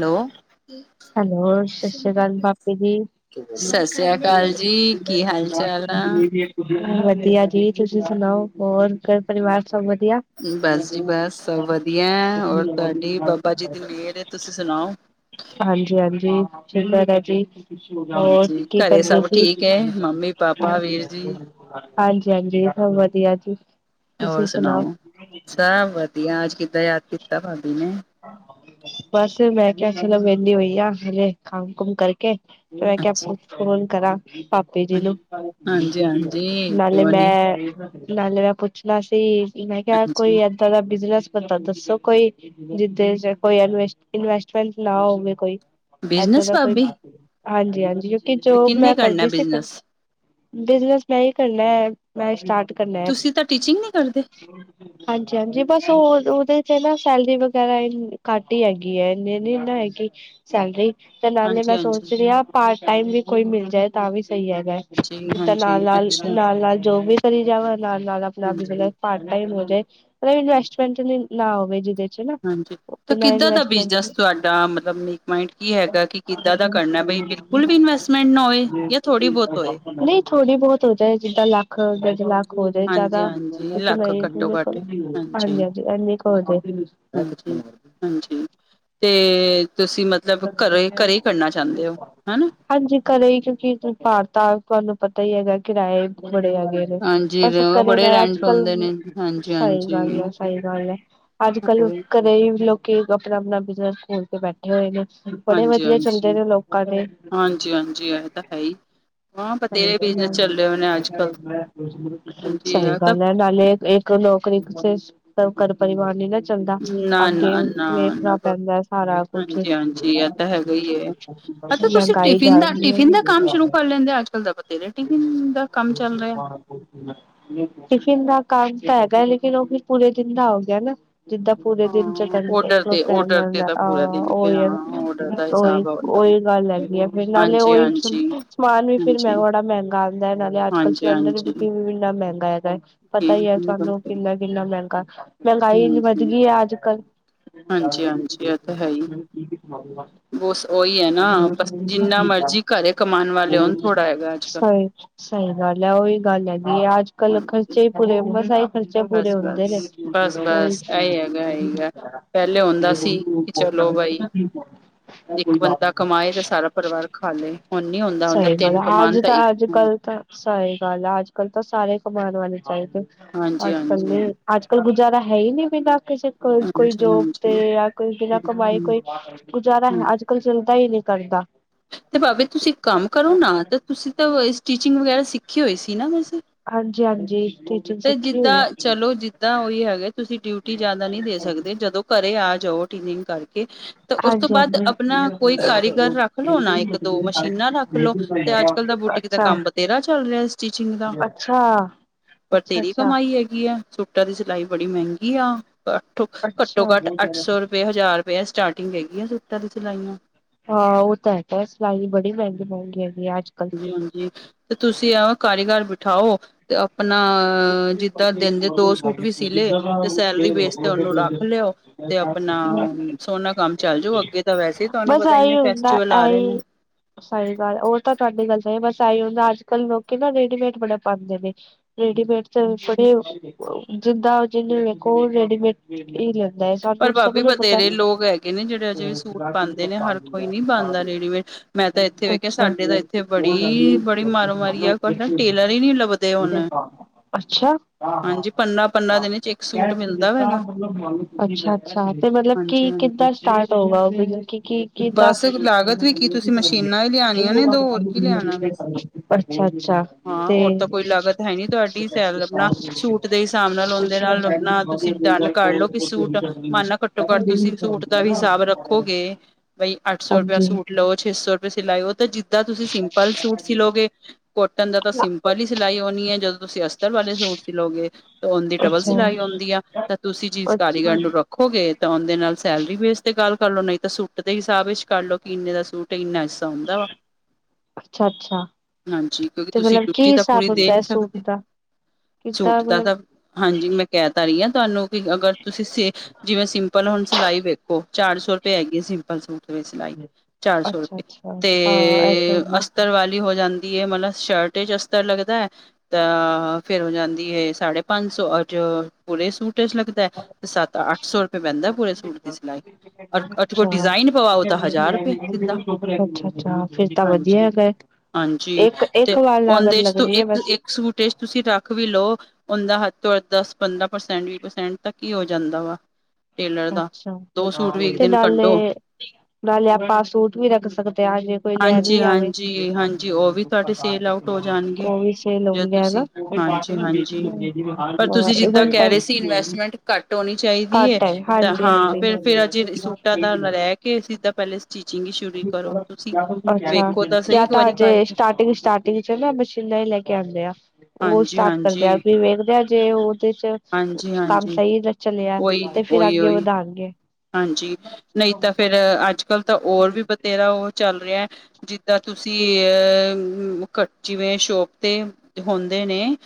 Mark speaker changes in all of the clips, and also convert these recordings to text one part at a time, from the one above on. Speaker 1: Hello
Speaker 2: hello ਸਤਿ ਸ਼੍ਰੀ ਅਕਾਲ ਭਾਬੀ ਜੀ। [inaudible]
Speaker 1: ਸਤਿ ਸ੍ਰੀ ਅਕਾਲ ਜੀ। ਕੀ ਹਾਲ ਚਾਲ ਆ?
Speaker 2: ਵਧੀਆ ਜੀ ਤੁਸੀਂ ਸੁਣਾਓ ਹੋਰ ਘਰ ਪਰਿਵਾਰ ਸਭ ਵਧੀਆ।
Speaker 1: ਬਸ ਜੀ ਬਸ ਸਭ ਵਧੀਆ ਐ ਹੋਰ ਤੁਹਾਡੀ ਬਾਬਾ ਜੀ ਦੀ ਮੇਰ ਏ ਤੁਸੀਂ ਸੁਣਾਓ।
Speaker 2: ਹਾਂਜੀ-ਹਾਂਜੀ ਚਿਲਡ ਹੈਗਾ ਏ ਜੀ। ਹੋਰ
Speaker 1: ਹਾਂਜੀ,
Speaker 2: ਕੀ
Speaker 1: ਘਰੇ
Speaker 2: ਕਰਦੇ
Speaker 1: ਸਭ
Speaker 2: ਸੀ।
Speaker 1: ਠੀਕ ਹੈ ਮੰਮੀ ਪਾਪਾ ਵੀਰ ਜੀ
Speaker 2: ਹਾਂਜੀ-ਹਾਂਜੀ ਸਭ ਵਧੀਆ ਜੀ।
Speaker 1: ਹੋਰ ਸੁਣਾਓ ਸਭ ਵਧੀਆ ਅੱਜ ਕਿੱਦਾਂ ਯਾਦ ਕੀਤਾ ਭਾਬੀ ਨੇ।
Speaker 2: ਬਸ ਮੈਂ ਕਿਆ ਚਲੋ ਵੇਲੀ ਹੋਈ ਆ ਹਲੇੇ ਕੰਮ ਕੁੁਮ ਕਰਕੇ ਮੈਂ ਕਿਆ ਫ
Speaker 1: ਅੱਛਾ
Speaker 2: ਫੋਨ ਕਰਾਂ। ਭਾਬੀ ਜੀ ਨੂੰ
Speaker 1: ਹਾਂਜੀ ਹਾਂਜੀ
Speaker 2: ਨਾਲੇ
Speaker 1: ਕਿਉਂ ਨੀ
Speaker 2: ਮੈਂ ਨਾਲੇ ਮੈਂ ਪੁੱਛਣਾ ਸੀ ਮੈਂ ਕਿਆ ਕੋਈ
Speaker 1: ਹਾਂਜੀ
Speaker 2: ਏਦਾਂ ਦਾ ਬਿਜਨਸ ਤ ਦੱਸੋ ਕੋਈ ਜਿੱਦੇ ਚ' ਕੋਈ ਐਨ ਇਨਵੈਸਟਮੈਂਟ ਨਾ ਹੋਵੇ ਕੋਈ ਏਦਾਂ
Speaker 1: ਬਿਜਨਸ
Speaker 2: ਦਾ ਕੋਈ
Speaker 1: ਭਾਬੀ
Speaker 2: ਹਾਂਜੀ-ਹਾਂਜੀ ਕਿਉਂਕਿ
Speaker 1: ਤੇ
Speaker 2: ਜੋਬ
Speaker 1: ਕਿੰਨੇ
Speaker 2: ਮੈਂ
Speaker 1: ਕਰਨਾ
Speaker 2: ਕਰਦੀ ਸੀ
Speaker 1: ਬਿਜਨਸ
Speaker 2: ਬਿਜਨਸ ਮੈਂ ਈ ਕਰਨਾ ਐ। ਮੈਂ ਸਟਾਟ ਕਰਨਾ ਐ।
Speaker 1: ਤੁਸੀਂ ਤਾਂ ਟੀਚਿੰਗ ਨੀ ਕਰਦੇ
Speaker 2: ਹਾਂਜੀ-ਹਾਂਜੀ ਬਸ ਹੋਰ ਉਦੇ 'ਚ ਨਾ ਸੈਲਰੀ ਵ ਗੈਰਾ ਘੱਟ ਈ ਹੈਗੀ ਐ ਇਨੀ ਨੀ ਨਾ ਹੈਗੀ ਸੈਲਰੀ ਤੇ ਨਾਲੇ ਹੀ
Speaker 1: ਹਾਂਜੀ
Speaker 2: ਮੈਂ
Speaker 1: ਹਾਂਜੀ
Speaker 2: ਸੋਚ ਰਈ ਆਂ। ਪਾਰਟ ਟਾਈਮ ਵੀ ਕੋਈ ਮਿਲ ਜਾਏ ਤਾਂ ਵੀ ਸਈ ਹੈਗਾ।
Speaker 1: ਜੀ
Speaker 2: ਤਾਂ
Speaker 1: ਹਾਂਜੀ
Speaker 2: ਨਾਲ-ਨਾਲ
Speaker 1: ਅੱਛਾ
Speaker 2: ਨਾਲ ਨਾਲ ਜੋਬ ਵੀ ਕਰੀ ਜਾਵਾਂ ਨਾਲ-ਨਾਲ ਆਪਣਾ
Speaker 1: ਹਾਂਜੀ
Speaker 2: ਬਿਜਨੇਸ ਪਾਟ ਟਾਈਮ ਹੋ ਜਾਏ ਇਨਵੈਸਟਮੈਂਟ ਨਈ ਨਾ ਹੋਵੇ ਜਿਦੇ 'ਚ ਨਾ
Speaker 1: ਹਾਂਜੀ ਤਾਂ
Speaker 2: ਬਿਨਾਂ
Speaker 1: ਕਿੱਦਾਂ ਦਾ ਬਿਜਨਸ
Speaker 2: ਇਨਵੈਸਟਮੈਂਟ
Speaker 1: ਤੁਹਾਡਾ ਮਤਲਬ ਨੀਕ ਮਾਈੰਡ ਕੀ ਹੈਗਾ ਕਿ ਕਿੱਦਾਂ ਦਾ ਕਰਨਾ ਬਈ ਬਿਲਕੁ ਫੁਲ ਵੀ ਇਨਵੇੈਸਟਮੈਂਟ ਨਾ ਹੋਏ ਜਾਂ ਥੋੜੀ ਬੋਤ ਹੋਏ।
Speaker 2: ਥੋੜ੍ਹੀ ਬੋਤ ਹੋ ਜਾਏ ਜਿੱਦਾਂ ਲੱਖ ਡੇ ਲੱ ਹੋ ਜੇ
Speaker 1: ਹਾਂਜੀ
Speaker 2: ਜਿਆਦਾ
Speaker 1: ਹਾਂਜੀ
Speaker 2: ਇਤਨਾ
Speaker 1: ਲੱਖ
Speaker 2: ਈ
Speaker 1: ਘੱਟੋ ਘੱਟ ਹਾਂਜੀ
Speaker 2: ਹਾਂਜੀ-ਹਾਂਜੀ ਇਨੀ ਕੋ ਹੋ ਜੇ।
Speaker 1: ਹਾਂਜੀ ਤੇ ਤੁਸੀਂ ਮਤਲਬ ਘਰੋ ਘਰੇ ਹੀ ਕਰਨਾ ਚਾਹੁੰਦੇ ਹੋ ਹਨਾ।
Speaker 2: ਹਾਂਜੀ ਘਰੇ ਕਿਉਂਕਿ ਭਾਰ ਤ ਆ ਤੁਹਾਨੂੰ ਪਤਾ ਹੀ ਹੈਗਾ ਕਿਰਾਏ ਬੜੇ ਹੈਗੇ।
Speaker 1: ਹਾਂਜੀ
Speaker 2: ਬਸ ਘਰੇ
Speaker 1: ਬੜੇ
Speaker 2: ਮੈਂ ਅੱਜ
Speaker 1: ਰੈਂਟ
Speaker 2: ਕੱਲ
Speaker 1: ਹੁੰਦੇ ਨੇ ਹਾਂਜੀ
Speaker 2: ਸਈ
Speaker 1: ਹਾਂਜੀ
Speaker 2: ਗੱਲ ਐ ਸਈ
Speaker 1: ਹਾਂਜੀ
Speaker 2: ਗੱਲ ਐ। ਅੱਜ ਕੱਲ ਘਰੇ ਲੋਕੀ ਆਪਣਾ-ਆਪਣਾ ਬਿਜਨਸ ਖੋਲ ਕੇ ਬੈਠੇ ਹੋਏ ਨੇ। ਬੜੇ
Speaker 1: ਹਾਂਜੀ
Speaker 2: ਵਦੀਆ ਚਲਦੇ ਨੇ ਲੋਕਾਂ ਦੇ।
Speaker 1: ਹਾਂਜੀ ਹਾਂਜੀ ਇਹ ਤਾਂ ਹੈ ਹੀ ਹਾਂ ਬਥੇਰੇ ਬਿਜਨਸ ਚੱਲੇ ਹੋਏ ਨੇ ਅੱਜ ਕੱਲ
Speaker 2: [unintelligible]
Speaker 1: ਹਾਂਜੀ
Speaker 2: ਸਈ
Speaker 1: ਤਾਂ
Speaker 2: ਗੱਲ ਐ। ਨਾਲੇ ਏਕ ਲੋਕਰੀ ਚ ਸਭ ਘਰ ਪਰਿਵਾਰ ਨੀ ਨਾ ਚੱਲਦਾ
Speaker 1: ਨਾ
Speaker 2: ਅੱਗੇ
Speaker 1: ਨਾ ਨਾ
Speaker 2: ਵੇਖਨਾ ਪੈਂਦਾ ਸਾਰਾ ਕੁੱਛ।
Speaker 1: ਜੀ ਐ ਤਾ ਹੈਗਾ ਈ ਏ ਅ ਤਾ ਤੁਸੀਂ
Speaker 2: ਮਹਿੰਗਾਈ
Speaker 1: ਟਿਫਿਨ
Speaker 2: ਜਾ
Speaker 1: ਦਾ ਟਿਫਿਨ ਦਾ
Speaker 2: ਰਹੀ
Speaker 1: ਕੰਮ ਸ਼ੁਰੂ
Speaker 2: ਹੈ
Speaker 1: ਕਰ ਲੈਂਦੇ ਅੱਜ-ਕੱਲ ਦਾ ਬਥੇਰੇ। ਟਿਫਿਨ ਦਾ ਕੰਮ ਚੱਲ ਰੇਆ।
Speaker 2: [inaudible] ਟਿਫਿਨ ਦਾ ਕਾੰਮ ਤਾ ਹੈਗਾ ਲੇਕਿਨ ਓ ਵੀ ਪੂਰੇ ਦਿਨ ਦਾ ਹੋਗੇਆ ਨਾ ਜਿੱਦਾਂ। ਪੂਰੇ ਦਿਨ ਚ
Speaker 1: ਹਾਂ
Speaker 2: ਘੰਟੇ
Speaker 1: ਔਡਰ ਤੇ
Speaker 2: ਖਲੋਤਾ ਨੀ
Speaker 1: ਔਡਰ ਤੇ
Speaker 2: ਜਾਂਦਾ
Speaker 1: ਤਾਂ
Speaker 2: ਆ
Speaker 1: ਪੂਰਾ ਦਿਨ ਫਿਰ
Speaker 2: ਓਈਓ।
Speaker 1: ਹਾਂ ਔਡਰ ਦਾ
Speaker 2: ਓਈ
Speaker 1: ਹਿਸਾਬ ਆਉਂਦਾ।
Speaker 2: ਓਈ ਗਾੱਲ ਹੈਗੀ ਏ ਫੇਰ ਨਾਲੇ ਓਈ,
Speaker 1: ਹਾਂਜੀ-ਹਾਂਜੀ,
Speaker 2: ਸਮਾਨ ਵੀ ਫੇਰ
Speaker 1: ਹਾਂਜੀ।
Speaker 2: ਮੈਂਗੋੜਾ ਮ ਗਾ ਆਂਦਾ ਨਾਲੇ ਅੱਜ-ਕੱਲ ਸਲੇਂਡਰ
Speaker 1: ਹਾਂਜੀ-ਹਾਂਜੀ
Speaker 2: ਬੁਕਿੰਗ ਵੀ ਇਨਾ ਮੈਂਗਾ ਹੈਗਾ ਪਤਾ ਈ ਐ‌ ਤੁਆਨੂੰ ਕਿ ਕਿਨਾ ਮੈਂਗਾ। ਮੈਂਗਾਈ ਇਨੀ ਵੱਧ
Speaker 1: ਹਾਂਜੀ।
Speaker 2: ਗਈ ਐ ਅੱਜ-ਕੱਲ।
Speaker 1: ਹਾਂਜੀ-ਹਾਂਜੀ ਇਹ ਤਾਂ ਹੈ ਹੀ
Speaker 2: [inaudible]
Speaker 1: ਬਸ ਉਹੀ ਹੈ ਨਾ ਬਸ ਜਿੰਨਾ ਮਰਜੀ ਘਰੇ ਕਮਾਉਣ ਵਾਲੇ ਹੋਣ ਥੋੜਾ ਹੈਗਾ ਅੱਜ-ਕੱਲ
Speaker 2: ਸਈ ਗਾੱਲ ਐ ਓਈ ਗਾੱਲ ਹੈਗੀ ਅੱਜ-ਕੱਲ
Speaker 1: ਹਾਂਜੀ
Speaker 2: ਖਰਚੇ ਈ ਪੂਰੇ ਮਸਾ। ਖਰਚੇ ਪੂਰੇ ਹੁੰਦੇ
Speaker 1: ਬਸ-ਬਸ,
Speaker 2: ਨੇ ਓਈ
Speaker 1: ਬਸ-ਬਸ ਇਹੀ ਹੈਗਾ ਇਹੀ ਹੈ। ਪਹਿਲੇ ਹੁੰਦਾ ਸੀ ਕਿ ਚਲੋ ਬਾਈ
Speaker 2: [unintelligible] [inaudible]
Speaker 1: ਇੱਕ ਬੰਦਾ ਕਮਾਏ ਤੇ ਸਾਰਾ ਪਰੇਵਾਰ ਖਾਲੇ ਹੁਨ ਨੀ ਹੁੰਦਾ ਹੁੰਦਾ ਤਿੰਨ ਕਮਾਨ ਤੇ ਇੱਕ।
Speaker 2: ਸਈ ਗਾੱਲ ਆ ਅੱਜ-ਕੱਲ ਤਾਂ ਸਾਰੇ ਕਮਾਨ ਵਾਲੇ ਚਾਈਦੇ
Speaker 1: ਹਾਂਜੀ
Speaker 2: ਅੱਜ-ਕੱਲ
Speaker 1: ਹਾਂਜੀ
Speaker 2: ਨੀ। ਅੱਜ-ਕੱਲ ਗੁਜ਼ਾਰਾ ਹੈਈ ਨੀ ਬਿਨਾਂ ਕਿਸੇ ਕੋਸ੍ਰ ਕੋਈ
Speaker 1: ਹਾਂਜੀ
Speaker 2: ਜੋਬ ਤੇ
Speaker 1: ਹਾਂਜੀ
Speaker 2: ਯਾ ਕੋਈ ਬਿਨਾਂ ਕਮਾਈ ਕੋਈ।
Speaker 1: ਹਮ
Speaker 2: ਗੁਜ਼ਾਰਾ ਹੈ ਅੱਜ-ਕੱਲ ਚਿੰਤਾ ਈ ਨੀ ਕਰਦਾ।
Speaker 1: ਤੇ ਪਾਭੀ ਤੁਸੀ ਕਾੰਮ ਕਰੋ ਨਾ ਤੇ ਤੁਸੀ ਤਾ ਸਟੀਚਿੰਗ ਵਗੈਰਾ ਸਿੱਖੀ ਹੋਈ ਸੀ ਨਾ ਵੈਸੇ।
Speaker 2: ਹਾਂਜੀ-ਹਾਂਜੀ ਸਟੀ
Speaker 1: ਤੇ ਜਿੱਦਾਂ‌ ਚਲੋ ਜਿੱਦਾਂ ਓਈ ਹੈਗੇ‌ ਤੁਸੀ ਡਯੁਟੀ ਜਾਦਾ ਨੀ ਦੇ ਸਕਦੇ ਜਦੋ ਘਰੇ ਆ ਜੋ ਟੀਨਿਗ ਕਰਕੇ। ਤੇ ਓਸ ਤੋ ਬਾਦ
Speaker 2: ਹਾਂਜੀ-ਹਾਂਜੀ।
Speaker 1: ਆਪਨਾ ਕੋਈ ਕਾਰੀਗਰ ਰਾੱਖ ਲੋ ਨਾ ਇੱਕ ਦੋ ਮਸ਼ੀਨਾਂ ਰੱਖ ਲੋ ਤੇ ਅੱਜ-ਕੱਲ ਦਾ ਬੂਟੀ ਦਾ
Speaker 2: ਅੱਛਾ, ਅੱਛਾ।
Speaker 1: ਕੰਮ ਬਤੇਰਾ ਚੱਲ ਰੇਆ ਸਟਿਚਿੰਗ ਦਾ।
Speaker 2: ਅੱਛਾ।
Speaker 1: ਬਤੇਰੀ ਕਮਾਈ ਹੈਗੀ ਆ ਸੂਟਾਂ ਦੀ ਸਿਲਾਈ ਬੜੀ ਮੈਂਂਗੀ ਆ। ਘੱਟੋ
Speaker 2: ਅੱਛਾ
Speaker 1: ਘੱਟ ਅੱਠ ਸੌ ਰੁਪਏ, ਹਜ਼ਾਰ ਰਪੇਆ ਸਟਾਟਿੰਗ ਹੈਗੀ ਆ‌ ਸੂਟਾਂ ਦੀ ਸਿਲਾਈਆਂ।
Speaker 2: ਹਾਂ ਓ ਤਾਂ ਹੈਗਾ ਸਿਲਾਈ ਬੜੀ ਮੈਂਗੀ-ਮੈਂਗੀ ਹੈਗੀ ਆ ਆੱਜ।
Speaker 1: ਹਾਂਜੀ-ਹਾਂਜੀ ਤੇ ਤੁਸੀ ਆਪ ਕਾਰੀਗਰ ਬਠਾਓ। ਤੇ ਆਪਨਾ ਜਿੱਦਾਂ ਦਿਨ ਦੇ ਦੋ ਸੂਟ ਵੀ ਸੀ ਲੇ ਤੇ ਸੈਲਰੀ ਬੇਸ ਤੇ ਓਨੂੰ ਰਾੱਖ ਲੇਓ। ਤੇ ਆਪਨਾ ਸੋਨਾ ਕਾੰਮ ਚੱਲ ਜਾਓ ਅੱਗੇ ਤਾਂ ਵੈਸੇ ਤੋਆਨੂੰ ਪਤਾ ਐਨੇ ਫੈਸਟਿਵਲ
Speaker 2: [inaudible]
Speaker 1: ਆਰੇ।
Speaker 2: ਸਈ ਗਾੱਲ ਓ ਤਾ ਤੋਆਡੀ ਗਾੱਲ ਸਈ ਬਾੱਸ ਆਈ ਹੁੰਦਾ ਅੱਜ-ਕੱਲ ਲੋਕੀ ਨਾ ਰੇਡੀਮੇਡ ਬੜਾ ਪਾਂਦੇ ਨੇ। ਰੇਡੀਮੇਡ ਚ ਬੜੇ ਜਿੰਦਾ ਜਿਨੁ ਵੇਖੋ ਓ ਰੇਡੀਮੇਡ ਈ ਲ [unintelligible]
Speaker 1: ਪਰ
Speaker 2: ਸਭ
Speaker 1: ਭਾਬੀ
Speaker 2: ਨੁੰ ਪਤਾ
Speaker 1: ਬਥੇਰੇ ਲੋਕ ਹੈਗੇ ਨੇ ਜਿਹੜੇ ਅਜੇ
Speaker 2: [unintelligible]
Speaker 1: ਵੀ ਸੂਟ ਪਾਉਂਦੇ ਨੇ ਹਰ ਕੋਈ ਨੀ ਪਾਉਂਦਾ ਰੇਡੀਮੇਡ ਮੈਂ ਤਾਂ ਇੱਥੇ ਵੇਖਿਆ ਸਾਡੇ ਤਾਂ ਇੱਥੇ ਬੜੀ ਬੜੀ ਮਾਰੋ ਮਾਰੀ ਆ ਨਾ ਟੇਲਰ ਹੀ ਨੀ ਲੱਭਦੇ ਹੁਣ
Speaker 2: ਅੱਛਾ [unintelligible]
Speaker 1: ਹਾਂਜੀ ਪੰਦਰਾਂ ਪੰਦਰਾਂ ਦਿਨ ਚ ਇੱਕ ਸੂਟ ਮਿਲਦਾ
Speaker 2: ਅੱਛਾ‌
Speaker 1: ਹੈਗਾ
Speaker 2: [unintelligible] [unintelligible] ਅੱਛਾ। ਅੱਛਾ ਤੇ ਮਤਲਬ ਕੀ
Speaker 1: ਹਾਂਜੀ ਹਾਂਜੀ
Speaker 2: ਕਿਦਾ ਸਟਾਟ ਹੋਗਾ ਕੀ-ਕੀ ਕਿਦਾ।
Speaker 1: ਬਸ ਲਾਗਤ ਵੀ ਕੀ ਤੁਸੀਂ ਮਸ਼ੀਨਾਂ ਹੀ ਲਿਆਣੀਆਂ ਨੇ ਦੋ ਹੋਰ ਕੀ ਲਿਆਣਾ ਬਸ
Speaker 2: [unintelligible] ਅੱਛਾ-ਅੱਛਾ
Speaker 1: ਹਾਂ
Speaker 2: ਤੇ
Speaker 1: ਔਰ ਤਾਂ ਕੋਈ ਲਾਗਤ ਹੈ ਨੀ ਤੁਹਾਡੀ ਸੈਲ ਆਪਣਾ ਸੂਟ ਦੇ ਹਿਸਾਬ ਨਾਲ ਉਹਦੇ ਨਾਲ ਆਪਣਾ ਤੁਸੀਂ ਡਨ ਕਰ ਲਓ ਕਿ
Speaker 2: [inaudible]
Speaker 1: ਸੂਟ ਮਾਨਾ ਘੱਟੋ ਘੱਟ ਤੁਸੀ ਸੂਟ ਦਾ ਵੀ ਸਾਬ ਰੱਖੋਗੇ, ਬਈ ਅੱਠ ਸੌ ਰੁਪੇਆ
Speaker 2: ਹਾਂਜੀ
Speaker 1: ਸੂਟ ਲਓ ਛੇ ਸੌ ਰੁਪਏ ਸਿਲਾਈ, ਉਹ ਤਾਂ ਜਿੱਦਾਂ ਤੁਸੀਂ ਸਿੰਪਲ ਸੂਟ ਸਿਲਓਗੇ ਕੋਟਨ ਦਾ ਤਾਂ ਸਿੰਪਲ ਹੀ ਸਿਲਾਈ ਹੋਣੀ ਹੈ, ਜਦੋਂ ਤੁਸੀਂ ਅਸਤਰ ਵਾਲੇ ਸੂਟ ਸਿਲੋਗੇ ਤ ਉਂਨਦੀ ਡਬਲ ਸੁਿਲਾਈ ਹੁੰਦੀ ਆ, ਤਾਂ ਤੁਸੀਂ ਜਿਸ ਕਾਰੀਗਰ
Speaker 2: ਅੱਛਾ,
Speaker 1: ਨੂੰ ਰ ਖੋਗੇ, ਤਾਂ ਉਂਹਦੇ ਨਾਲ ਸੈਲਰੀ ਬੇਸ ਤੇ ਗੱਲ ਕਰਲੋ, ਨਹੀਂ ਤਾਂ ਸੁੱਟ ਦੇ ਹਿਸਾਬ ਵਿੱਚ ਕਰਲਓ ਕਿ ਇੰਨੇ ਦਾ ਸੂਟ ਏ, ਇੰਨਾ ਹਿੱਸਾ ਹੁੰਦਾ ਵਾ।
Speaker 2: ਅੱਛਾ-ਅੱਛਾ
Speaker 1: ਹਾਂਜੀ, ਕਿਉਂਕਿ
Speaker 2: ਤੇ
Speaker 1: ਤੁਸੀਂ
Speaker 2: ਮਤਲਬ ਕੀ
Speaker 1: ਡੁੱਯੁਟੀ ਤਾਂ ਪੂਰੀ
Speaker 2: ਹਿਸਾਬ
Speaker 1: ਦੇ ਨਹੀਂ
Speaker 2: ਸੂਟ
Speaker 1: ਸਕਦੇ।
Speaker 2: ਦਾ?
Speaker 1: ਸੂਟ
Speaker 2: ਕਿੱਦਾਂ
Speaker 1: ਦਾ
Speaker 2: ਮਤਲਬ
Speaker 1: ਤਾਂ, ਹਾਂਜੀ ਮੈਂ ਕਹਿ ਤਾ ਰਹੀ ਆ ਤੁਹਾਨੂੰ, ਕਿ ਅਗਰ ਤੁਸੀਂ ਸੇ, ਜਿਵੇਂ ਸਿੰਪਲ ਹੁਣ ਸਿਲਾਈ ਵੇਖੋ ਚਾਰ ਸੌ ਰੁਪਏ ਹੈਗੀ ਹੈ ਸਿੰਪਲ ਸੂਟ। ਸਿਲਾਈ ਚਾਰ ਸੌ
Speaker 2: ਅੱਛਾ
Speaker 1: ਰੁਪਏ,
Speaker 2: ਅੱਛਾ ਹਾਂ ਏਦਾਂ
Speaker 1: ਤੇੇਏੇਏਏ
Speaker 2: ਹੀ ਆ
Speaker 1: ਅਸਤਰ ਵਾਲੀ ਹੋ ਜਾਂ ਦੀ ਏ। ਮਤਲਬ ਸ਼ਰਟ ਵਿਚ ਅਸਤਰ ਲਗਦਾ ਏ। ਤਾਂ ਆਹ ਫੇਰ ਹੋ ਜਾਂਦੀ ਹੈ ਸਾਢੇ ਪੰਜ ਸੌ, ਔਰ ਜੋਓ ਪੂਰੇ ਸੂਟ ਚ ਲੱਗਦਾ ਏ। ਤੇ ਸਤ -ਅੱਠ ਸੌੁ ਤੁਹਾਡੇ ਕੋਲ
Speaker 2: ਅੱਛਾ-
Speaker 1: ਡਿਜ਼ਾਇਨ ਪਵਾਓ ਤਾਂ ਹਜ਼ਾਰ ਰੁਪਏ ਸਿੱਧਾ
Speaker 2: ਅੱਛਾ-ਅੱਛਾ। ਫੇਰ ਤਾਂ ਵਧੀਆ
Speaker 1: ਹਾਂਜੀ
Speaker 2: ਹੈਗਾ ਐ।
Speaker 1: ਹਾਂਜੀ, ਤੇ ਉਂਹਦੇ ਚ ਤੂੰ
Speaker 2: ਹੈ ਬਸ
Speaker 1: ਇੱਕ-ਇੱਕ ਸੂਟੇਜ ਤੁਸੀਂ ਰੱਖ ਵੀ ਲਓ, ਉਂਹਦਾ ਹੱਦ ਤੋਂ ਹੱਦ, ਦਸ- ਪੰਦਰਾਂ ਪ੍ਰਸੈਂਟ, ਵੀਹ ਪ੍ਰਸੈਂਟ ਤੱਕ ਕੀ ਹੋ ਜਾਂਦਾ ਵਾ। ਟੇਲਰ ਦਾ
Speaker 2: ਅੱਛਾ,
Speaker 1: ਦੋ ਸੂਟ ਵੀ ਇੱਕ
Speaker 2: ਤੇ
Speaker 1: ਦਿਨ ਕੱਢੋ
Speaker 2: ਨਾਲੇ-ਨਾਲੇ ਆਪਾਂ ਸੂਟ ਵੀ ਰੱਖ ਸਕਦੇ ਆ ਹਜੇ ਕੋਈ ਲੈਣ
Speaker 1: ਹਾਂਜੀ
Speaker 2: ਵੀ ਆਵੇ,
Speaker 1: ਹਾਂਜੀ ਹਾਂਜੀ ਉਹ ਵੀ ਤੁਹਾਡੇ ਸੇਲ ਆਊਟ ਹੋ ਜਾਣਗੇ
Speaker 2: ਉਹ ਵੀ ਸੇਲ
Speaker 1: ਜੇ
Speaker 2: ਹੋਂਦਾ ਹੈਗਾ।
Speaker 1: ਤੁਸੀਂ ਹਾਂਜੀ ਹਾਂਜੀ
Speaker 2: ਬੇਚ
Speaker 1: ਪਰ
Speaker 2: [unintelligible]
Speaker 1: ਟਾਉਣੀ ਚਾਹੀਦੀ ਐ, ਤਾਂ ਹਾਂ-----ਫਿਰ ਫੇਰ ਅਜੇ ਸੂਟਾਂ ਦਾ
Speaker 2: ਹਾਂਜੀ।
Speaker 1: ਰਹਿ ਕੇ ਸਿੱਧਾ ਪਹਿਲੇ ਸਟਿਚਿੰਗ ਹੀ ਸ਼ੁਰੂ ਕਰੋ
Speaker 2: ਅੱਛਾ,
Speaker 1: ਤੁਸੀਂ ਵੇਖੋ ਸਹੀ
Speaker 2: ਯਾਂ
Speaker 1: ਇੱਕ
Speaker 2: ਤਾਂ
Speaker 1: ਵਾਰੀ
Speaker 2: ਹਜੇ
Speaker 1: ਕਰਕੇ
Speaker 2: ਸਟਾਰਟਿੰਗ ਸਟਾਰ ਤੁਸੀਂ ਚਲੋ ਮਸ਼ੀਨਾ ਹੀ ਲੈ ਕੇ ਆਉਂਦੇ ਆ। ਉਹ
Speaker 1: ਹਾਂਜੀ
Speaker 2: ਸਟਾਰਟ
Speaker 1: ਹਾਂਜੀ
Speaker 2: ਕਰਦੇਆਂ, ਫਿਰ ਵੇਖਦੇਆਂ ਜੇ ਉਹਦੇ ਚ
Speaker 1: ਹਾਂਜੀ
Speaker 2: ਕੰਮ
Speaker 1: ਹਾਂਜੀ
Speaker 2: ਸਹੀ ਚੱਲਿਆ।
Speaker 1: ਉਹੀ
Speaker 2: ਤੇ ਫਿਰ
Speaker 1: ਉਹੀ
Speaker 2: ਅੱਗੇ
Speaker 1: ਉਹੀ
Speaker 2: ਵਧਾਉਣਗੇ।
Speaker 1: ਅਰੇ, ਤਾਂ ਵੀ ਬਥੇਰਾ ਓ ਚੱਲ ਰਿਹਾ ਏ। ਜਿੱਦਾਂ ਤੁਸੀਂ ਆ ਕ, ਜਿਵੇਂ ਸ਼ੋਪ ਤੇ ਹੁੰਦੇ ਨੇ।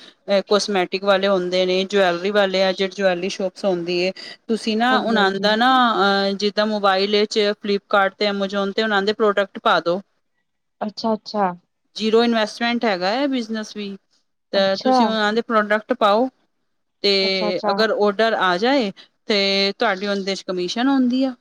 Speaker 1: ਕੋਸਮੈਟਿਕ ਵਾਲੇ ਹੁੰਦੇ ਨੇ, ਜਵੈਲਰੀ ਵਾਲੇ ਆ, ਜਿਹੜ ਜਵੈਲਰੀ ਸ਼ੋਪਸ ਆਉਂਦੀ ਹੈ। ਤੁਸੀਂ ਨਾ
Speaker 2: ਹਾਂਜੀ
Speaker 1: ਉਨਾਂ
Speaker 2: ਹਾਂਜੀ
Speaker 1: ਦਾ ਨਾ ਆ ਜਿ ਦਾਂ, ਮੋਬਾਇਲ ਇਚ ਫਲਿਪਕਾਰਟ ਤੇ ਐਮਾਜ਼ੋਨ ਤੇ ਉਨ੍ਹਾਂ ਦੇ ਪ੍ਰੋਡਕਟ ਪਾ ਦੋ।
Speaker 2: ਅੱਛਾ-ਅੱਛਾ।
Speaker 1: ਜੀਰੋ ਇਨਵੈਸਟਮੈਂਟ ਹੈਗਾ ਹੈ ਏਹ ਬਿਜਨਸ ਵੀ, ਤਾਂ ਤੁਸੀਂ
Speaker 2: ਅੱਛਾ
Speaker 1: ਉਹਨਾਂ ਦੇ ਪ੍ਰੋਡਕਟ ਪਾਓ, ਤੇ
Speaker 2: ਅੱਛਾ ਅੱਛਾ
Speaker 1: ਅਗਰ ਓਡਰ ਆ ਜਾਏ ਤੇ ਤੁਹਾਡੀ ਉਹਦੇ ਚ ਕਮਿਸ਼ਨ। ਆਉਂਦੀ ਆ।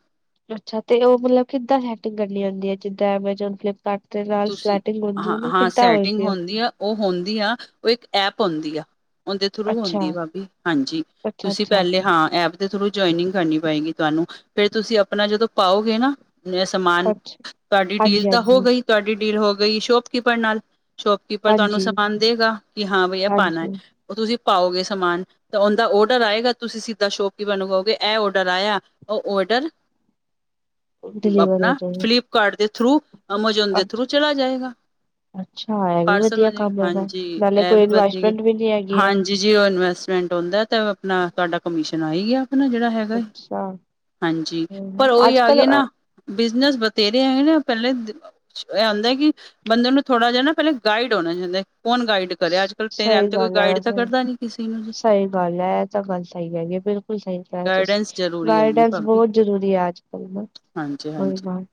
Speaker 2: ਅੱਛਾ, ਤੇ ਉਹ ਮਤਲਬ ਕਿੱਦਾਂ ਹੈਕਟਿੰਗ ਕਰਨੀ ਆਉਂਦੀ ਹੈ, ਜਿੱਦਾਂ ਐਮਜ ਫਲਿੱਪ ਕੱਟ ਦੇ ਨਾਲ
Speaker 1: ਤੁਸੀਂ
Speaker 2: ਸਲੈਟਿੰਗ ਹੁੰਦੀ
Speaker 1: ਹਾਂ
Speaker 2: ਉਹ ਨਾ
Speaker 1: ਹਾਂ
Speaker 2: ਕਿੱਦਾਂ
Speaker 1: ਸੈਟਿੰਗ
Speaker 2: ਹੋਏਗੀ ਉਹ।
Speaker 1: ਹੁੰਦੀ ਆ ਉਹ ਹੁੰਦੀ ਆ, ਉਹ ਇੱਕ ਐਪ ਉਦੀ ਆ। ਉਹਦੇ ਥਰੂ ਹੁੰਦੀ
Speaker 2: ਅੱਛਾ
Speaker 1: ਆ ਭਾਬੀ, ਹਾਂਜੀ
Speaker 2: ਅੱਛਾ
Speaker 1: ਤੁਸੀਂ
Speaker 2: ਅੱਛਾ
Speaker 1: ਪਹਿਲਾਂ ਹਾਂ ਐਪ ਦੇ ਥਰੂ ਜੁਆਇਨਿੰਗ ਕਰਨੀ ਪਏਗੀ ਤੁਹਾਨੂੰ, ਫੇਰ ਤੁਸੀਂ ਆਪਣਾ ਜਦੋਂ ਪਾਓਗੇ ਨਾ ਏਹ ਸਮਾਨ,
Speaker 2: ਅੱਛਾ
Speaker 1: ਤੁਹਾਡੀ ਡੀਲ
Speaker 2: ਹਾਂਜੀ
Speaker 1: ਤਾਂ
Speaker 2: ਹਾਂਜੀ
Speaker 1: ਹੋ ਗਈ, ਤੁਹਾਡੀ ਡੀਲ ਹੋ ਗਈ ਸ਼ੋਪਕੀਪਰ ਨਾਲ। ਸ਼ੋਪਕੀਪਰ ਤੁਹਾਨੂੰ
Speaker 2: ਹਾਂਜੀ
Speaker 1: ਸਮਾਨ ਦੇਗਾ ਕਿ ਹਾਂ ਬਈ ਆ ਪਾਂਣਾ ਹੈ,
Speaker 2: ਹਾਂਜੀ
Speaker 1: ਉਹ ਤੁਸੀਂ ਪਾਓਗੇ ਸਮਾਨ। ਤੇ ਉਹਦਾ ਓਡਰ ਆਏਗਾ। ਤੁਸੀਂ ਸਿੱਧਾ ਸ਼ੋਪ ਕੀਪਰ ਨੂੰ ਕਹੋਗੇ, ਇਹ ਓਡਰ ਆਇਆ ਉਹ ਓਡਰ
Speaker 2: [inaudible] ਡਿਲੀਵਰ
Speaker 1: ਆਪਣਾ
Speaker 2: ਹੋ ਜਾਏਗਾ
Speaker 1: ਫਲਿਪਕਾਰਟ ਦੇ ਥਰੂ, ਅਮਾਜ਼ੋਨ ਦੇ ਥਰੂ ਚਲਾ ਜਾਏਗਾ।
Speaker 2: ਅੱਛਾ ਇਹ ਵੀ
Speaker 1: ਪਰਸਲ
Speaker 2: ਵਧੀਆ
Speaker 1: ਹੋ ਜੇ,
Speaker 2: ਕੰਮ ਹੈਗਾ
Speaker 1: ਹਾਂਜੀ,
Speaker 2: ਨਾਲੇ
Speaker 1: ਇਹ
Speaker 2: ਕੋਈ
Speaker 1: ਵੀ ਵਧੀ
Speaker 2: ਇਨਵੈਸਟਮੈਂਟ ਵੀ ਨੀ ਹੈਗੀ ਹੈ।
Speaker 1: ਹਾਂਜੀ। ਜੀ, ਜੇ ਉਹ ਇਨਵੈਸਟਮੈਂਟ ਆਉਂਦਾ, ਤਾਂ ਆਪਣਾ ਤੁਹਾਡਾ ਕਮਿਸ਼ਨ ਆਈ ਗਿਆ ਆਪਣਾ ਜਿਹੜਾ ਹੈਗਾ,
Speaker 2: ਅੱਛਾ
Speaker 1: ਹਾਂਜੀ, ਪਰ
Speaker 2: ਹਮ,
Speaker 1: ਉਹੀ
Speaker 2: ਅੱਜ
Speaker 1: ਆ
Speaker 2: ਕੱਲ
Speaker 1: ਗਏ ਨਾ। ਬਿਜਨਸ ਵਥੇਰੇ ਹੈਗੇ ਨੇ ਪਹਿਲੇ ਇਹ ਆਉਂਦਾ ਕਿ ਬੰਦੇ ਨੂੰ ਥੋੜਾ ਜਿਹਾ ਨਾ ਪਹਿਲੇ ਗਾਈਡ ਹੋਣਾ ਚਾਹੁੰਦਾ ਹੈ, ਕੌਣ ਗਾਈਡ? ਕਰੇ ਅੱਜ ਕੱਲ੍ਹ ਟਾਈਮ
Speaker 2: ਸਹੀ
Speaker 1: ਤੇ ਕੋਈ
Speaker 2: ਗੱਲ ਐ
Speaker 1: ਗਾਈਡ ਤਾਂ
Speaker 2: ਵੈਸੇ,
Speaker 1: ਕਰਦਾ ਨੀ ਕਿਸੇ ਨੂੰ ਜੀ
Speaker 2: ਸਹੀ ਗੱਲ ਐ, ਇਹ ਤਾਂ ਗੱਲ ਸਹੀ ਹੈਗੀ ਏ ਬਿਲ ਬਿਲਕੁਲ ਸਹੀ ਕਿਹਾ
Speaker 1: ਗਾਈਡੈਂਸ
Speaker 2: ਤੁਸੀਂ,
Speaker 1: ਜ਼ਰੂਰੀ
Speaker 2: ਗਾਈਡੈਂਸ ਬਹੁਤ ਜ਼ਰੂਰੀ ਹੈ ਅੱਜ ਕੱਲ ਨਾ। ਕੋਈ
Speaker 1: ਹਾਂਜੀ-ਹਾਂਜੀ।
Speaker 2: ਗੱਲ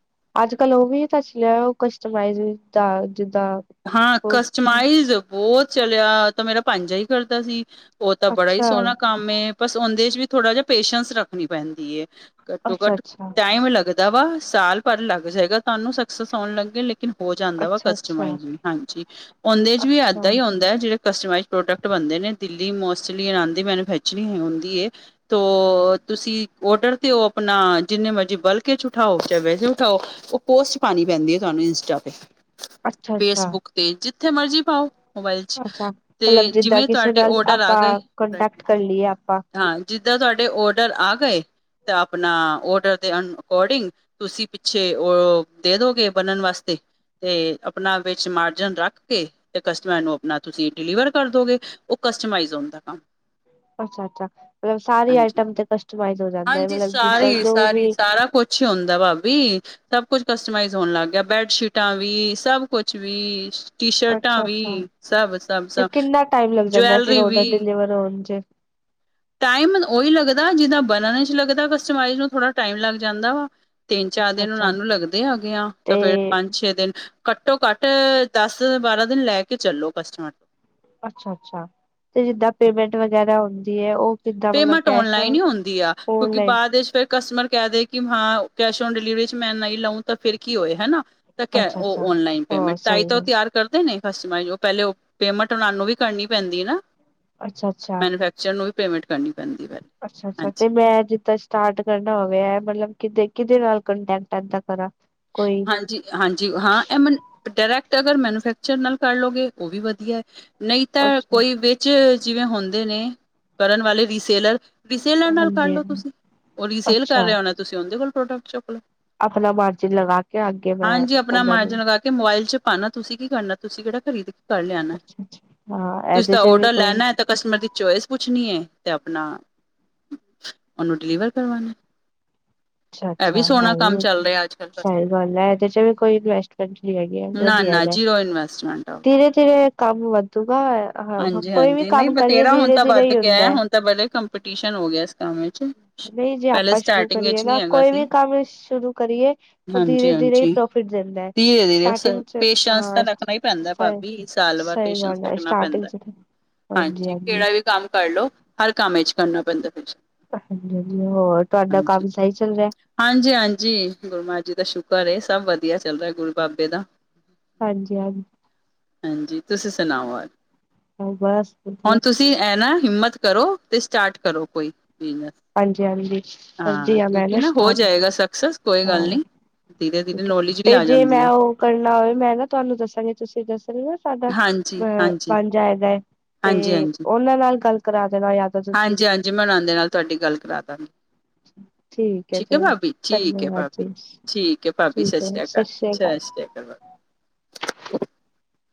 Speaker 2: ਅੱਜ ਕੱਲ ਉਹ ਵੀ ਤਾਂ ਚਲਿਆਂ, ਉਹ ਕਸਟਮਾਈਜ਼ ਦਾ ਜਿੱਦਾਂ
Speaker 1: ਹਾਂ
Speaker 2: ਉਹ
Speaker 1: ਕਸਟਮਾਈਜ਼ ਬਹੁਤ ਚਲਿਆ, ਆਤਾਂ ਮੇਰਾ ਪੰਜਾ ਹੀ ਕਰਦਾ ਸੀ। ਉਹ ਤਾਂ ਬੜਾ ਈ
Speaker 2: ਅੱਛਾ
Speaker 1: ਸੋਹਣਾ ਕੰਮ ਏ, ਬਸ ਉਨਦੇ ਚ ਵੀ ਥੋੜਾ ਜਿਹਾ ਪੇਸ਼ੈਂਸ ਰੱਖਣੀ ਪੈਂਦੀ ਏ। ਘੱਟੋ
Speaker 2: ਅੱਛਾ ਅੱਛਾ
Speaker 1: ਘੱਟ
Speaker 2: ਅੱਛਾ
Speaker 1: ਟਾਈਮ ਲੱਗਦਾ ਵਾ, ਸਾਲ ਪਰ ਲੱਗ ਜਾਏਗਾ ਤੁਹਾਨੂੰ ਸਕਸਸ ਹੋਉਣ ਲੱਗੇ ਲੈ ਲੇਕਿਨ ਹੋ ਜਾਂਦਾ ਵਾ
Speaker 2: ਅੱਛਾ
Speaker 1: ਕਸਟਮ ਵੀ ਹਾਂਜੀ, ਦੇ ਉਨਦੇ ਚ ਵੀ
Speaker 2: ਅੱਛਾ
Speaker 1: ਏਦਾਂ ਈ ਏਹ ਜਿਹੜੇ ਕਸਟਮਾਈਜ ਪ੍ਰੋਡਕਟ ਬਣਦੇ ਨੇ ਦਿੱਲ਼ੀ, ਮੋਸਟਲੀ ਇਹਨਾਂ ਦੀ ਮੈਨੂਫੈਕਚਰਿੰਗ ਹੁੰਦੀ ਹੈ। ਓਹ ਤੁਸੀਂ ਔਡਰ ਦੇਓ ਆਪਣਾ, ਜਿੰਨੇ ਮਰਜ਼ੀ ਬਲਕੇ ਚ ਉਠਾਓ, ਚਾਹੇ ਵੈਸੇ ਉਠਾਓ। ਉਹ ਪੋਸਟ ਪਾਣੀ ਪੈਂਦੀ ਏ ਤੁਹਾਨੂੰ ਇੰਸਟਾ ਤੇ
Speaker 2: ਅੱਛਾ ਅੱਛਾ
Speaker 1: ਫੇਸਬੁੱਕ ਤੇ, ਜਿੱਥੇ ਮਰਜ਼ੀ ਪਾਓ। ਮੋਬਾਈਲ ਚ,
Speaker 2: ਅੱਛਾ
Speaker 1: ਤੇ
Speaker 2: ਮਤਲਬ ਜਿੱਦਾਂ
Speaker 1: ਜਿਵੇਂ
Speaker 2: ਕਿਸੇ
Speaker 1: ਤੁਹਾਡੇ
Speaker 2: ਨਾਲ
Speaker 1: ਔਡਰ ਆ
Speaker 2: ਆਪਾਂ
Speaker 1: ਗਏ।
Speaker 2: ਕੰਟੈਕਟ ਕਰ ਲਈਏ ਆਪਾਂ
Speaker 1: ਹਾਂ, ਜਿੱਦਾਂ ਤੁਹਾਡੇ ਓਡਰ ਆ ਗਏ ਤੇ ਆਪਣਾ ਓਡਰ ਦੇ ਅ ਅਕੋਰਡਿੰਗ ਤੁਸੀਂ ਪਿੱਛੇ ਉਹ ਦੇ ਦੋਗੇ ਬਣਨ ਵਾਸਤੇ ਤੇ ਆਪਣਾ ਵਿੱਚ ਮਾਰਜਨ ਰੱਖ ਕੇ, ਤੇ ਕਸਟਮਰ ਨੂੰ ਆਪਣਾ ਤੁਸੀਂ ਡਿਲੀਵਰ ਕਰ ਦੋਗੇ। ਉਹ ਕਸਟਮਾਈਜ਼ ਹੋਂਦਾ ਕੰਮ।
Speaker 2: ਅੱਛਾ-ਅੱਛਾ, ਔਰ ਸਾਰੀ
Speaker 1: ਹਾਂਜੀ
Speaker 2: ਆਈਟਮ ਤੇ ਕਸਟਮਾਈ ਹੋ ਜਾਂਦਾ ਏ, ਮਤਲਬ ਜਿੱਦਾਂ ਜੋ ਵੀ
Speaker 1: ਅਛ ਹੁੰਦਾ ਭਾਬੀ, ਸਭ ਕੁਛ ਕਸਟਮਾਈਜ਼ ਹੋਣ ਲੱਗ ਗਿਆ, ਬੈਡਸ਼ੀਟਾਂ ਵੀ ਸਭ ਕੁਛ ਵੀ ਸ਼ ਟੀ ਸ਼ਰਟਾਂ,
Speaker 2: ਅੱਛਾ-ਅੱਛਾ
Speaker 1: ਵੀ ਸਭ-ਸਭ-ਸਭ ਜਵੈਲਰੀ ਵੀ।
Speaker 2: ਵਰ, ਜ। [unintelligible]
Speaker 1: ਟਾਈਮ ਉਹੀ ਲੱਗਦਾ ਜਿੱਦਾਂ ਬਣਨ ਚ ਲੱਗਦਾ, ਕਸਟਮਾਈਜ਼ ਨੂੰ ਥੋੜਾ ਟਾਈਮ ਲੱਗ ਜਾਂਦਾ ਵਾ। ਤਿੰਨ-ਚਾਰ ਦਿਨ ਉਹਨਾਂ
Speaker 2: ਅੱਛਾ-ਅੱਛਾ
Speaker 1: ਨੂੰ ਲੱਗਦੇ ਹੈਗੇ ਆ, ਤਾਂ
Speaker 2: ਤੇ
Speaker 1: ਫੇਰ ਪੰਜ-ਛੇ ਦਿਨ ਘੱਟੋ-ਘੱਟ ਦਸ-ਬਾਰਾਂ ਦਿਨ ਲੈ ਕੇ ਚੱਲੋ ਕਸਟਮਰ ਤੋਂ
Speaker 2: ਅੱਛਾ-ਅੱਛਾ, ਤੇ ਜਿੱਦਾਂ ਪੇਮੈਂਟ ਵਗੈਰਾ ਹੁੰਦੀ ਹੈ। ਉਹ ਕਿੱਦਾਂ ਮਤਲਬ
Speaker 1: ਪੇਮੈਂਟ
Speaker 2: ਕੈਸ਼
Speaker 1: ਔਨਲਾਈਨ ਹੀ ਹੁੰਦੀ ਆ, ਕਿਉਂਕਿ
Speaker 2: ਔਨਲਾਈਨ
Speaker 1: ਬਾਅਦ ਦੇ ਵਿੱਚ ਫਿਰ ਕਸਟਮਰ ਕਹਿ ਦੇ ਕਿ ਹਾਂ। ਕੈਸ਼ ਉਨ ਡਿਲੀਵਰੀ ਚ ਮੈਂ ਨਹੀਂ ਲਊਂ ਤਾਂ ਫਿਰ ਕੀ ਹੋਏ ਹੈਨਾ ਤਾਂ ਕਿਆ ਉਹ
Speaker 2: ਅੱਛਾ-ਅੱਛਾ
Speaker 1: ਔਨਲਾਈਨ
Speaker 2: ਹਾਂ
Speaker 1: ਪੇਮੈਂਟ ਤਾਂਈ
Speaker 2: ਸਹੀ
Speaker 1: ਤਾਂ ਉਹ
Speaker 2: ਗੱਲ
Speaker 1: ਤਿਆਰ ਕਰਦੇ ਨੇ ਕਟਸਮਾਇਜ ਉਹ ਪਹਿਲੇ ਉਹ ਪੇਮੈਂਟ ਓਨਾਨੂੰ ਵੀ ਕਰਨੀ ਪੈਂਦੀ ਨਾ। ਮੈਂਨੂੰਫਰੈਕ ਚਰ ਨੂੰ ਵੀ ਪੇਮੈਂਟ ਕਰਨੀ
Speaker 2: ਅੱਛਾ- ਅੱਛਾ
Speaker 1: ਹਾਂਜੀ
Speaker 2: ਤੇ ਮੈਂ ਜਿੱਦਾਂ ਸਟਾਰਟ ਕਰਨਾ ਹੋਵੇ ਮਤਲਬ ਕਿਦੇ- ਕਿਦੇ ਨਾਲ ਕੰਟੈਕਟ ਏਦਾਂ ਕਰਾ।
Speaker 1: ਹਾਂਜੀ-ਹਾਂਜੀ ਹਾਂ ਇਹ ਮੈਨੂੰ ਡਾਇਰੈਕਟ ਅਗਰ ਮੈਨੂਫੈਕਚਰ ਨਾਲ ਕਰ ਲਓਗੇ ਉਹ ਵੀ ਵਧੀਆ ਐ। ਨਹੀਂ ਤਾਂ
Speaker 2: ਅੱਛਾ
Speaker 1: ਕੋਈ ਵੀ ਵਿਚ ਜਿਵੇਂ ਹੁੰਦੇ ਨੇ ਕਰਨ ਵਾਲੇ ਰੀਸੇਲਰ। ਰੀਸੇਲਰ ਨਾਲ ਕਰ ਲਓ
Speaker 2: ਹਾਂਜੀ-ਹਾਂਜੀ
Speaker 1: ਤੁਸੀਂ। ਉਹ ਰੀਸੇਲ ਕਰ
Speaker 2: ਅੱਛਾ
Speaker 1: ਰੇਹਾ ਹੋਣਾ ਤੁਸੀਂ ਉਹਦੇ ਕੋਲ ਪ੍ਰੋਡਕਟ ਚੁੱਕ ਲਓ।
Speaker 2: ਆਪਣਾ ਮਾਰਜਿਨ ਲਗਾ ਕੇ ਅਗੇ ਮੈਂ
Speaker 1: ਹਾਂਜੀ ਆਪਣਾ
Speaker 2: ਉਹਨਾਂ
Speaker 1: ਮਾਰਜਨ
Speaker 2: ਨੂੰ
Speaker 1: ਲਗਾ ਮੋਬਾਇਲ ਚ ਪਾਉਣਾ। ਤੁਸੀਂ ਕੀ ਕਰਨਾ ਤੁਸੀਂ ਕਿਹੜਾ ਖਰੀਦ ਕਰ ਲਿਆਣਾ।
Speaker 2: ਹਾਂ
Speaker 1: ਤੁਸੀਂ
Speaker 2: ਇਹਦੇ
Speaker 1: ਤਾਂ
Speaker 2: ਚ ਵੀ
Speaker 1: ਔਡਰ
Speaker 2: ਕੋਈ
Speaker 1: ਲੈਣਾ ਤਾਂ ਕਸਟਮਰ ਦੀ ਚੋਇਸ ਪੁੱਛਣੀ ਹੈ। ਤੇ ਆਪਣਾ ਓਨੂੰ ਡਿਲੀਵਰ ਕਰਵਾਨੈ। ਐ ਵੀ ਸੋਣਾ ਕੰਮ ਚੱਲ ਰਿਐ ਅੱਜ। ਕੱਲ ਕਸਟਮਰ
Speaker 2: ਸਈ ਗੱਲ ਐ। ਏਦੇ 'ਚ ਵੀ ਕੋਈ ਇਨਵੈਸਟਮੈਂਟ ਨੀ ਹੈਗੀ, ਐ
Speaker 1: ਨਾ
Speaker 2: ਵਧੀਆ
Speaker 1: ਨਾ
Speaker 2: ਹੈਗੈ
Speaker 1: ਜੀਰੋ
Speaker 2: ਤੇ
Speaker 1: ਇਨਵੈਸਟਮੈਂਟ ਆ
Speaker 2: ਧੀਰੇ-ਧੀਰੇ ਐ ਕੰਮ ਵੱਧੂਗਾ।
Speaker 1: ਹਾਂਜੀ-ਹਾਂਜੀ ਨਈ ਬਥੇਰਾ ਹੁਨ ਤਾਂ
Speaker 2: ਧੀਰੇ
Speaker 1: ਵੱਧ
Speaker 2: ਹੀ ਹੁੰਦਾ
Speaker 1: ਗਿਐ।
Speaker 2: ਹੈ
Speaker 1: ਹੁਨ ਤਾਂ ਬਰੇ ਕੰਮਪੀਟੀਸ਼ਨ ਹੋ ਗਿਐ ਏਸ ਕੰਮ ਵਿੱਚ।
Speaker 2: ਰਈ ਜੇ
Speaker 1: ਪੈਲੇ
Speaker 2: ਆਪਾ ਸ਼ੁਰੂ
Speaker 1: ਸਟਾਰਟਿੰਗ ਵਿੱਚ ਨੀ
Speaker 2: ਕਰੀਏਗਾ।
Speaker 1: ਹੈਗਾ
Speaker 2: ਕੋਈ
Speaker 1: ਸੀ
Speaker 2: ਵੀ ਕੰਮ ਸ਼ੁਰੂ ਕਰੀਏ ਓ ਧੀਰੇ-ਧੀਰੇ ਈ
Speaker 1: ਹਾਂਜੀ-ਹਾਂਜੀ।
Speaker 2: ਪ੍ਰੋਫਿਟ ਦੇਂਦੈ,
Speaker 1: ਧੀਰੇ-ਧੀਰੇ
Speaker 2: ਸਟਾਰਟਿੰਗ ਚ
Speaker 1: ਪੇਸ਼ੈਂਸ
Speaker 2: ਹਾਂ
Speaker 1: ਤਾਂ ਰੱਖਨਾ ਈ ਪੈਂਦੈ
Speaker 2: ਸਹੀ
Speaker 1: ਭਾਬੀ। ਸਾਲ ਬਾ
Speaker 2: ਸਹੀ
Speaker 1: ਪੇਸ਼ੈਂਸ
Speaker 2: ਗੱਲ ਹੈ
Speaker 1: ਰੱਖਨਾ
Speaker 2: ਸਟਾਰਟਿੰਗ
Speaker 1: ਪੈਂਦੈ।
Speaker 2: ਚ
Speaker 1: ਹਾਂਜੀ ਕੇੜਾ ਵੀ ਕੰਮ ਕਰ ਲੋ ਹਰ ਕੰਮ ਇੱਚ ਕਰਨਾ ਪੈਂਦੈ ਕੁਛ।
Speaker 2: ਹਾਂਜੀ-ਹਾਂਜੀ। ਹੋਰ ਤੁਆਡਾ ਕੰਮ ਸਈ ਚੱਲ ਰਿਐ?
Speaker 1: ਹਾਂਜੀ-ਹਾਂਜੀ, ਗੁਰਮਾਹਾ ਰਾਜ ਜੀ ਦਾ ਸ਼ੁਕਰ ਏ। ਸਭ ਵਧੀਆ ਚੱਲ ਰਿਐ, ਗੁਰੂ ਬਾਬੇ ਦਾ।
Speaker 2: ਹਾਂਜੀ-ਹਾਂਜ,
Speaker 1: ਹਾਂਜੀ ਤੁਸੀਂ ਸੁਣਾਓ ਹੋਰ
Speaker 2: ਓ ਬਸ ਵਧੀਆ
Speaker 1: ਹੁਣ ਤੁਸੀ ਐ ਨਾ ਹਿੰਮਤ ਕਰੋ ਤੇ ਸਟਾਰਟ ਕਰੋ ਕੋਈ, ਬਿਜਨਸ।
Speaker 2: ਹਾਂਜੀ-ਹਾਂਜੀ ਕਰਦੀ
Speaker 1: ਹਾਂ,
Speaker 2: ਆ ਮੈਂ
Speaker 1: ਕਿਉਂਕਿ ਨਾ ਹੋ
Speaker 2: ਸਟਾਰਟ
Speaker 1: ਜਾਏਗਾ ਸਕਸੈਸ। ਕੋਈ
Speaker 2: ਹਾਂ
Speaker 1: ਗੱਲ ਨੀ।
Speaker 2: ਠੀਕ ਐ ਤੇ ਜੇ ਮੈਂ ਓ ਕਰਨਾ ਹੋਵੇ ਮੈਂ ਨਾ ਤੁਆਨੂੰ ਦੱਸਾਂਗੀ। ਤੁਸੀ ਦੱਸ ਰੇ ਓ ਅੱਜ ਤਾਡਾ
Speaker 1: ਹਾਂਜੀ
Speaker 2: ਵ
Speaker 1: ਹਾਂਜੀ
Speaker 2: ਪੈਨੰ ਜਾਏ ਦੈ ਤੇ
Speaker 1: ਹਾਂਜੀ ਹਾਂਜੀ
Speaker 2: ਓਨਾਂ ਨਾਲ ਗੱਲ ਕਰਾ ਦੇਨਾ ਯਾਂ ਤਾਂ ਤੁਸੀ।
Speaker 1: ਜੀ ਮੈਂ ਉਨਾਂ ਦੇ ਨਾਲ ਤੁਆਡੀ ਗੱਲ ਕਰਾਂ ਦਾਗੀ।
Speaker 2: [unintelligible] ਠੀਕ ਐ ਜੈ।
Speaker 1: ਠੀਕ ਹੈ
Speaker 2: ਧੰਨਯਵਾਦ
Speaker 1: ਭਾਬੀ
Speaker 2: ਜੀ,
Speaker 1: ਠੀਕ ਹੈ ਭਾਬੀ ਸਤਿ
Speaker 2: ਠੀਕ ਐ।
Speaker 1: ਸ਼੍ਰੀ ਅਕਾਲ
Speaker 2: ਸਸ ਸ਼੍ਰੀ ਅਕਾਲ।
Speaker 1: ਸਤਿ ਅਕਾਲ
Speaker 2: [inaudible]
Speaker 1: [unintelligible]